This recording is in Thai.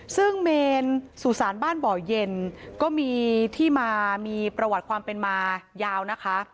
ซึ่งเมนสุสานบ้านบ่อเย็นก็มีที่มามีประวัติความเป็นมายาวนะคะ